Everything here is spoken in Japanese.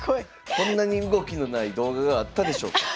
こんなに動きのない動画があったでしょうか？